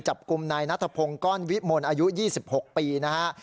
จับกลุ่มในนัทพงศ์ก้อนวิทย์มนตร์อายุ๒๖ปีนะฮะ